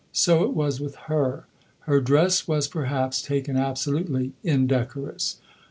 So it was with her. Her dress was, perhaps, taken absolutely, indecorous.